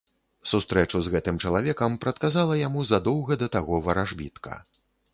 Сустрэчу з гэтым чалавекам прадказала яму задоўга да таго варажбітка.